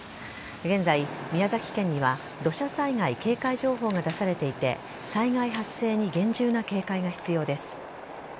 現在、宮崎県には土砂災害警戒情報が出されていて災害発生に厳重な警戒が必要です。